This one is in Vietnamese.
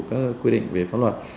các quy định về pháp luật